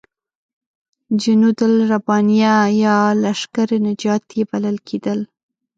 جنودالربانیه یا لشکر نجات یې بلل کېدل.